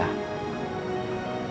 aku juga seneng